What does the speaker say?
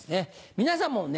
皆さんもね